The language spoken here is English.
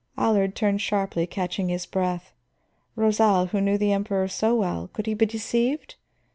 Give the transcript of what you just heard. Allard turned sharply, catching his breath. Rosal, who knew the Emperor so well, could he be deceived?